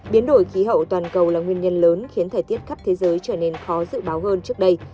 biến đổi khí hậu toàn cầu là nguyên nhân lớn khiến thời tiết khắp thế giới trở nên khó dự báo hơn trước đây